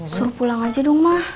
suruh pulang aja dong mah